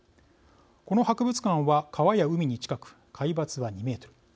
この博物館は川や海に近く海抜は２メートル。